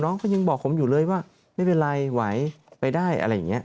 ก็ยังบอกผมอยู่เลยว่าไม่เป็นไรไหวไปได้อะไรอย่างนี้